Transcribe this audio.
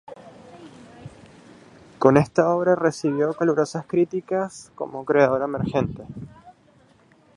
Con esta obra recibió calurosas críticas como creadora emergente.